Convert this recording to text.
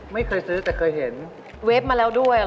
น้ำหยดลงหินน้ำหยดลงหินน้ำหยดลงหิน